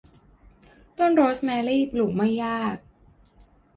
ต้นโรสแมรี่ปลูกไม่ยาก